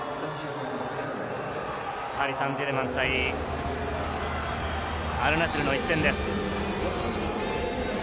パリ・サンジェルマン対アルナスルの一戦です。